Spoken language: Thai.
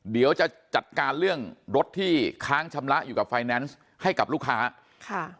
เดี๋ยวจะจัดการเรื่องรถที่ค้างชำระอยู่กับไฟแนนซ์ให้กับลูกค้าค่ะ